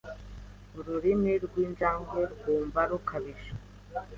Ururimi rwinjangwe rwumva rukabije.